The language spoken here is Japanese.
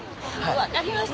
わかりました。